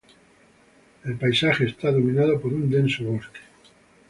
El paisaje está dominado por un denso bosque.